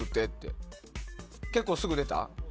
結構すぐ出た？